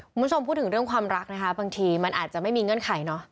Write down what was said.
คุณผู้ชมพูดถึงเรื่องความรักนะคะบางทีมันอาจจะไม่มีเงื่อนไขเนอะ